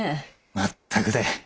まったくだ。